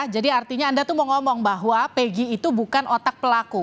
jadi artinya anda tuh mau ngomong bahwa peggy itu bukan otak pelaku